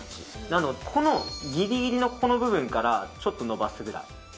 なのでこのギリギリの部分からちょっと伸ばすぐらい。